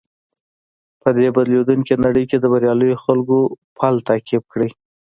په دې بدليدونکې نړۍ کې د برياليو خلکو پل تعقيب کړئ.